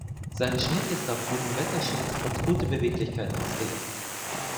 Sein Schnitt ist auf guten Wetterschutz und gute Beweglichkeit ausgelegt.